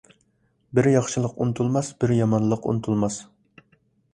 بىر ياخشىلىق ئۇنتۇلماس، بىر يامانلىق ئۇنتۇلماس.